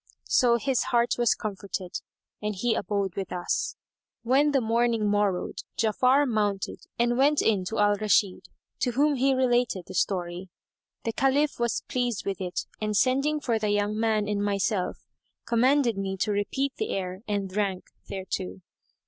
So his heart was comforted and he abode with us. When the morning morrowed Ja'afar mounted and went in to Al Rashid, to whom he related the story. The Caliph was pleased with it and sending for the young man and myself, commanded me to repeat the air and drank thereto.